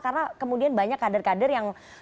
karena kemudian banyak kader kader yang